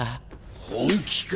本気か？